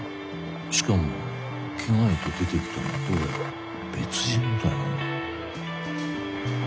しかも着替えて出てきたのはどうやら別人みたいなんだ。